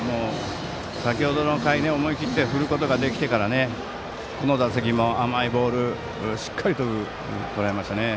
先程の回に思い切って振ることができてからこの打席も、甘いボールしっかりと、とらえましたね。